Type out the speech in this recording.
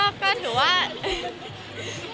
ไม่ก็เวลาที่